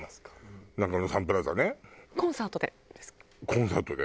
コンサートで。